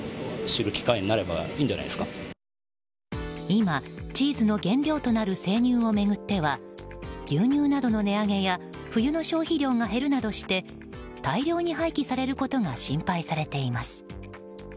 今、チーズの原料となる生乳を巡っては牛乳などの値上げや冬の消費量が減るなどして大量に廃棄されることが心配されています。